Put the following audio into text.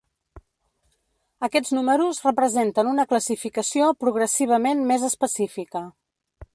Aquests números representen una classificació progressivament més específica.